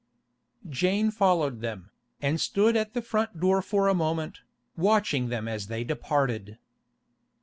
Jane followed them, and stood at the front door for a moment, watching them as they departed.